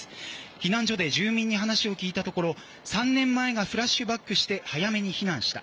避難所で住民に話を聞いたところ３年前がフラッシュバックして早めに避難した。